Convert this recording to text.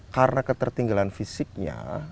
karena ketertinggalan fisiknya